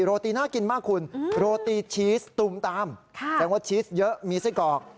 โรตีน่ากินมากคุณโรตีชีสตูมตามแสดงว่าชีสเยอะมีไส้กรอก